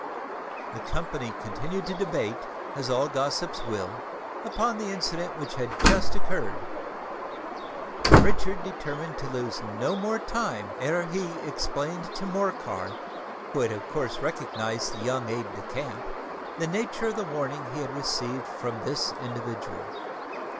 The company continued to debate, as all gossips will, upon the incident which had just occurred; and Richard determined to lose no more time ere he explained to Morcar, who had of course recognised the young aide de camp, the nature of the warning he had received from this individual.